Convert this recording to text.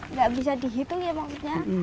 nggak bisa dihitung ya maksudnya